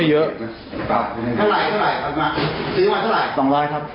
ทดลอง